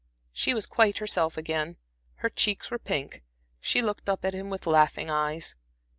She was quite herself again, her cheeks were pink; she looked up at him with laughing eyes.